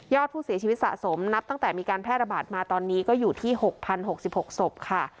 อดผู้เสียชีวิตสะสมนับตั้งแต่มีการแพร่ระบาดมาตอนนี้ก็อยู่ที่๖๐๖๖ศพค่ะ